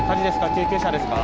救急車ですか？